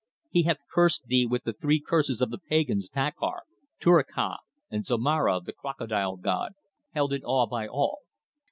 He hath cursed thee with the three curses of the pagans Takhar, Tuirakh, and Zomara, the Crocodile god, held in awe by all."